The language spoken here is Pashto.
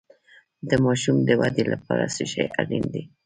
د ماشوم د ودې لپاره څه شی اړین دی؟